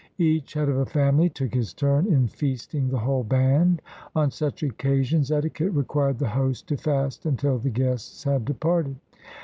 Each head of a family took his turn in feasting the whole band. On such occasions eti quette required the host to fast until the guests had departed.